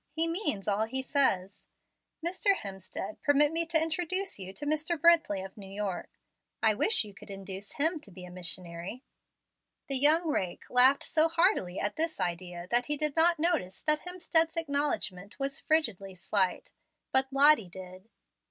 He means all he says. Mr. Hemstead, permit me to introduce to you Mr. Brently of New York. I wish you could induce him to be a missionary." The young rake laughed so heartily at this idea that he did not notice that Hemstead's acknowledgment was frigidly slight; but Lottie did.